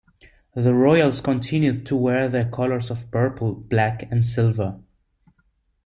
The Royals continued to wear their colors of purple, black, and silver.